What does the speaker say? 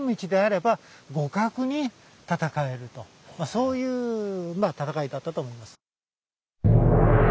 そういう戦いだったと思います。